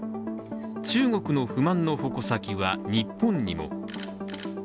中国の不満の矛先は日本にも。